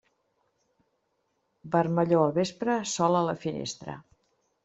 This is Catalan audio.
Vermellor al vespre, sol a la finestra.